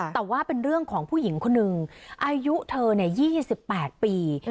แต่ว่าเป็นเรื่องของผู้หญิงคนหนึ่งอายุเธอ๒๘ปี